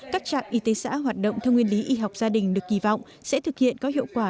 các trạm y tế xã hoạt động theo nguyên lý y học gia đình được kỳ vọng sẽ thực hiện có hiệu quả